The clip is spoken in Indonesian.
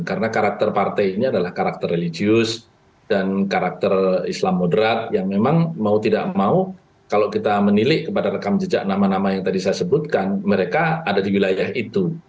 karena karakter partainya adalah karakter religius dan karakter islam moderat yang memang mau tidak mau kalau kita menilik kepada rekam jejak nama nama yang tadi saya sebutkan mereka ada di wilayah itu